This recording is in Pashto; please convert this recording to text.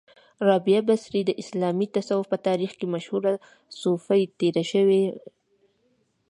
را بعه بصري د اسلامې تصوف په تاریخ کې مشهوره صوفۍ تیره شوی